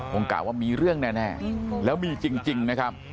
มองกะว่ามีเรื่องแน่แน่แล้วมีจริงจริงนะครับ